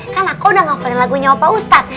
kan aku udah ngafalin lagunya pak ustadz